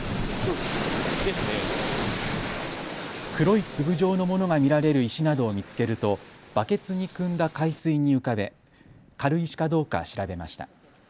黒い粒状のものが見られる石などを見つけるとバケツにくんだ海水に浮かべ軽石かどうか調べました。